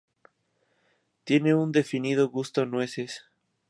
Tiene un definido gusto a nueces.